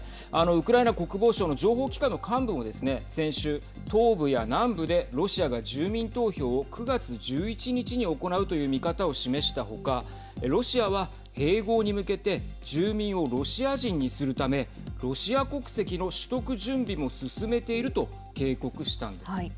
ウクライナ国防省の情報機関の幹部もですね、先週東部や南部でロシアが住民投票を９月１１日に行うという見方を示したほかロシアは併合に向けて住民をロシア人にするためロシア国籍の取得準備も進めていると警告したのです。